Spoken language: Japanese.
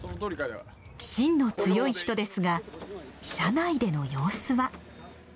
芯の強い人ですが社内での様子は。